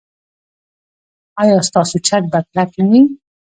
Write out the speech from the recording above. ایا ستاسو چت به کلک نه وي؟